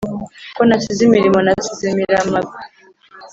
ko nasize imirimo nasize miramagwe